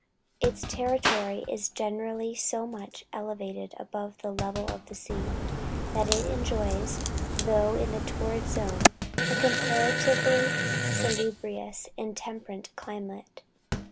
Its territory is generally so much elevated above the level of the sea, that it enjoys, though in the torrid zone, a comparatively salubrious and temperate climate.